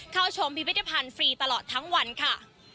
เข้าชมพิพิธภัณฑ์ฟรีตลอดทั้งวันค่ะ